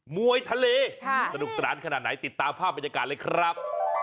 มวยทะเลสนุกสนานขนาดไหนติดตามภาพบรรยากาศเลยครับ